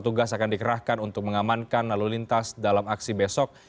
petugas akan dikerahkan untuk mengamankan lalu lintas dalam aksi besok